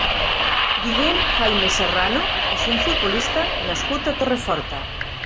Guillem Jaime Serrano és un futbolista nascut a Torreforta.